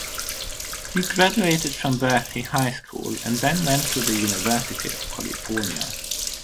He graduated from Berkeley High School and then went to the University of California.